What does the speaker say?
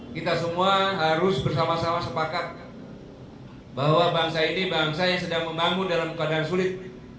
kita semua harus bersama sama sepakat bahwa bangsa ini bangsa yang sedang membangun dalam keadaan sulit